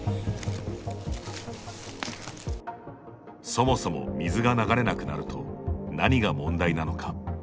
そもそも、水が流れなくなると何が問題なのか。